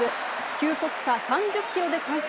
球速差３０キロで三振。